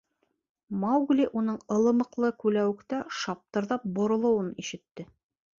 Маугли уның ылымыҡлы күләүектә шаптырҙап боролоуын ишетте.